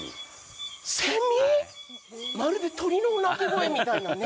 まるで鳥の鳴き声みたいなね。